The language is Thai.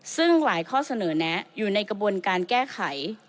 ซึ่งหลายข้อเสนอแนะอยู่ในกระบวนการแก้ไข